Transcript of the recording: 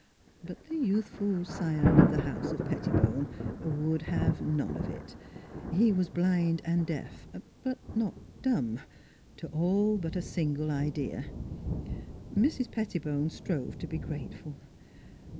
But the youthful scion of the house of Pettibone would have none of it; he was blind and deaf but not dumb to all but a single idea. Mrs. Pettibone strove to be grateful.